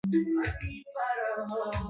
na wa kiongozi mkuu wa juu wa utawala